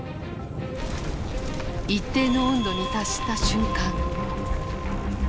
一定の温度に達した瞬間。